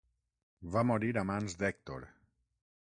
Va morir a mans d'Hèctor.